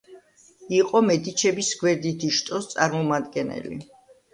იყო მედიჩების გვერდითი შტოს წარმომადგენელი.